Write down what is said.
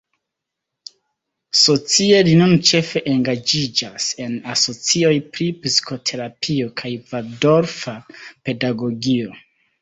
Socie, li nun ĉefe engaĝiĝas en asocioj pri psikoterapio kaj valdorfa pedagogio.